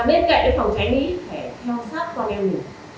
để phòng tránh ý phải theo sát con em nhỉ